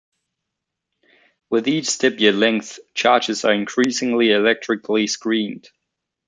With each Debye length, charges are increasingly electrically screened.